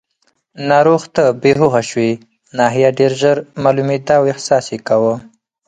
ناروغ ته بېهوښه شوې ناحیه ډېر ژر معلومېده او احساس یې کاوه.